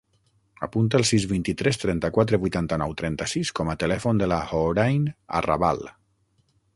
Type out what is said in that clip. Apunta el sis, vint-i-tres, trenta-quatre, vuitanta-nou, trenta-sis com a telèfon de la Hoorain Arrabal.